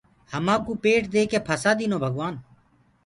همآنڪو پيٽ ديڪي ڦسآ دينو توڀگوآن